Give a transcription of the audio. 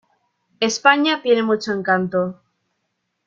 España tiene mucho encanto.